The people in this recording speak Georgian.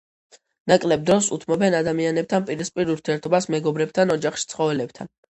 ნაკლებ დროს უთმობენ ადამიანებთან პირისპირ ურთიერთობას, მეგობრებთან, ოჯახში, ცხოველებთან.